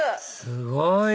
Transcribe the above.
すごい！